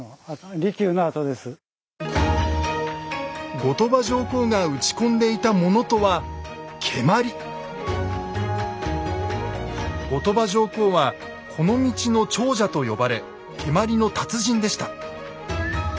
後鳥羽上皇が打ち込んでいたものとは後鳥羽上皇は「この道の長者」と呼ばれ蹴鞠の達人でした。